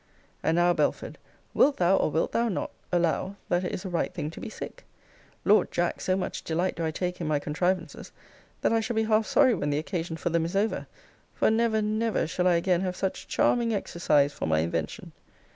And now, Belford, wilt thou, or wilt thou not, allow, that it is a right thing to be sick? Lord, Jack, so much delight do I take in my contrivances, that I shall be half sorry when the occasion for them is over; for never, never, shall I again have such charming exercise for my invention.